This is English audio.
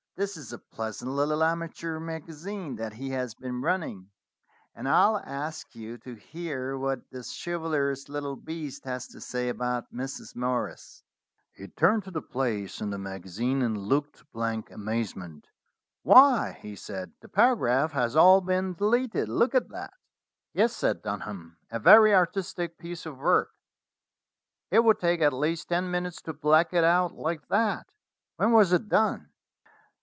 "This is a pleasant little amateur magazine that he has been running, and I'll ask you to hear what this chivalrous little beast has to say about Mrs. Morris." He turned to the place in the magazine, and looked blank amazement. "Why," he said, "the paragraph has all been deleted. Look at that." 238 STORIES WITHOUT TEARS "Yes," said Dunham: "a very artistic piece of work. It would take at least ten minutes to black it out like that. When was it done?"